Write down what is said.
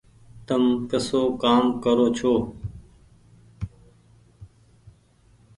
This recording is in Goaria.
تم ڪسو ڪآم ڪرو ڇو۔